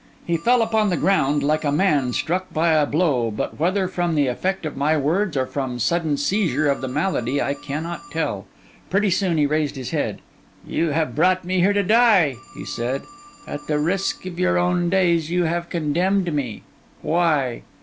He fell upon the ground like a man struck by a blow, but whether from the effect of my words, or from sudden seizure of the malady, I cannot tell. Pretty soon, he raised his head. 'You have brought me here to die,' he said; 'at the risk of your own days, you have condemned me. Why?